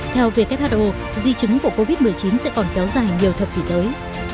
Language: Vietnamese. theo who di chứng của covid một mươi chín sẽ còn kéo dài nhiều thập kỷ tới